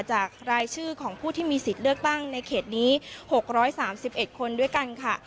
รายชื่อของผู้ที่มีสิทธิ์เลือกตั้งในเขตนี้๖๓๑คนด้วยกันค่ะ